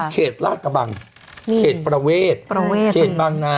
เขตราดกระบังเขตกระบัง